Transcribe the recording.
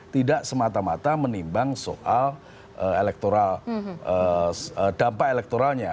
tidak semata mata menimbang soal dampak elektoralnya